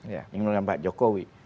ingin menggulingkan pak jokowi